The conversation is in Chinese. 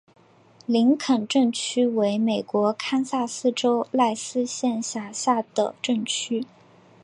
林肯镇区为美国堪萨斯州赖斯县辖下的镇区。